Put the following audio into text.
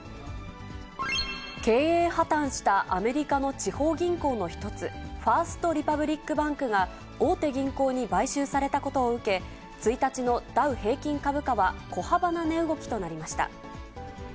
経営破綻したアメリカの地方銀行の一つ、ファースト・リパブリック・バンクが、大手銀行に買収されたことを受け、１日のダウ平均株価は小幅な値動きとなりました。